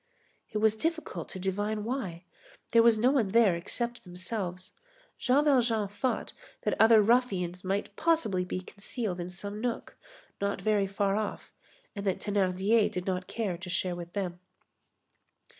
It was difficult to divine why. There was no one there except themselves. Jean Valjean thought that other ruffians might possibly be concealed in some nook, not very far off, and that Thénardier did not care to share with them.